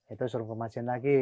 itu suruh permajaan lagi